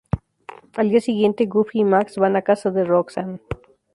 Al día siguiente, Goofy y Max van a casa de Roxanne.